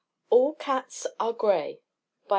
_ all cats are gray _by